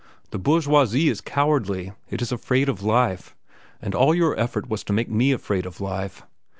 The bourgeoisie is cowardly. It is afraid of life. And all your effort was to make me afraid of life.